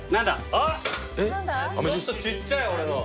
あっちょっとちっちゃい俺の。